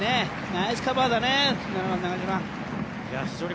ナイスカバーだね、中島。